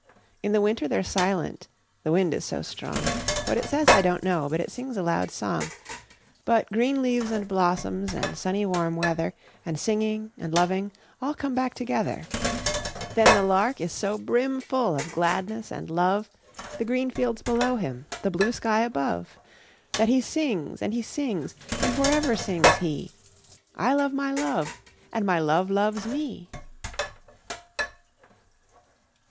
In the winter they're silent the wind is so strong; What it says, I don't know, but it sings a loud song. But green leaves, and blossoms, and sunny warm weather, 5 And singing, and loving all come back together. But the Lark is so brimful of gladness and love, The green fields below him, the blue sky above, That he sings, and he sings; and for ever sings he 'I love my Love, and my Love loves me!'